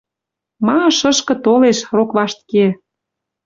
Ма ышышкы толеш, рокваштке!